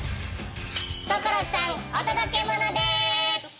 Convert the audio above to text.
所さんお届けモノです！